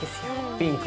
◆ピンク！